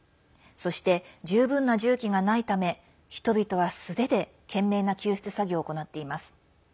そして、十分な重機がないため人々は素手で懸命な救出作業を行っています。